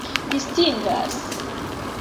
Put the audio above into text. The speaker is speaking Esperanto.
distingas